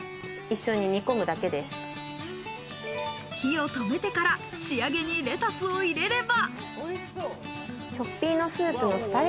火を止めてから仕上げにレタスを入れれば。